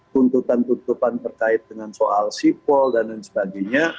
tuntutan tuntutan terkait dengan soal sipol dan lain sebagainya